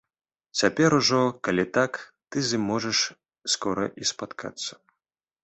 Цяпер ужо, калі так, ты з ім можаш скора і спаткацца.